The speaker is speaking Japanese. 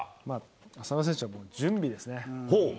浅野選手は準備ですね。